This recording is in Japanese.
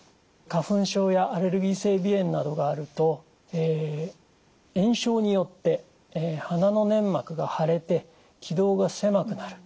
花粉症やアレルギー性鼻炎などがあると炎症によって鼻の粘膜が腫れて気道が狭くなる。